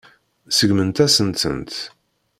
Seggment-asen-tent.